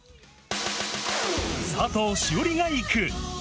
佐藤栞里が行く！